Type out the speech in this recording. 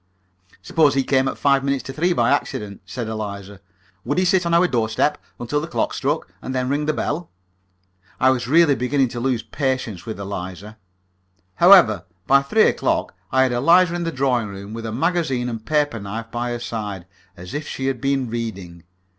"Suppose he came at five minutes to three by accident," said Eliza. "Would he sit on our doorsteps until the clock struck, and then ring the bell?" I was really beginning to lose patience with Eliza. However, by three o'clock I had Eliza in the drawing room, with a magazine and paper knife by her side, as if she had been reading.